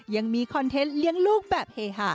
ยังมีคอนเทนต์เลี้ยงลูกแบบเฮหะ